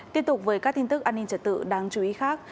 tiếp tục với các tin tức an ninh trật tự đáng chú ý khác